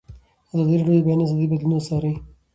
ازادي راډیو د د بیان آزادي بدلونونه څارلي.